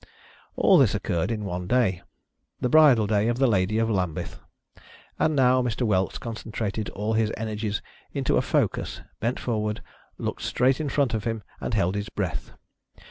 All this occurred in one day — the bridal day of the Ladye of Lambythe; and now Mr. Whelks concentrated all his energies into a focus, bent forward, looked straight in front of him, and held his breath.